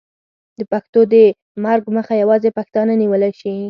د پښتو د مرګ مخه یوازې پښتانه نیولی شي.